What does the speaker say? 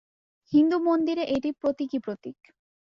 হিন্দু মন্দিরে এটি প্রতীকী প্রতীক।